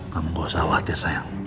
kamu gak usah khawatir saya